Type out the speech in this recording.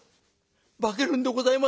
「化けるんでございますか？」。